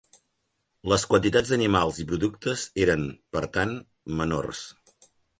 Les quantitats d'animals i productes eren, per tant, menors.